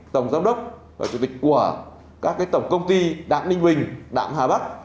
tổng giám đốc và chủ tịch của các tổng công ty đạm ninh huỳnh đạm hà bắc